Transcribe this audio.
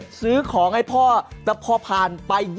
เชิญให้เพราะว่า